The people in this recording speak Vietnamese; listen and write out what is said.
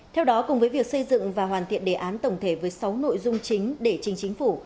theo đó cùng với việc xây dựng và hoàn thiện đề án tổng thể với sáu nội dung chính để trình chính phủ